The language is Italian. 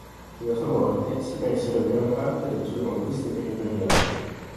Con la sua morte si persero gran parte delle sue conquiste territoriali.